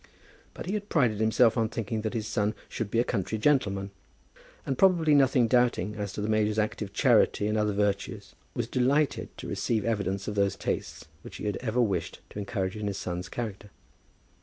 But he had prided himself on thinking that his son should be a country gentleman, and, probably nothing doubting as to the major's active charity and other virtues, was delighted to receive evidence of those tastes which he had ever wished to encourage in his son's character.